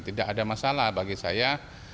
tidak ada masalah bagi saya